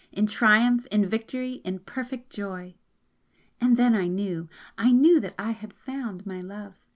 in triumph, in victory, in perfect joy!" And then I knew! I knew that I had found my love!